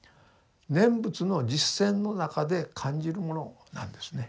念仏の実践の中で感じるものなんですね。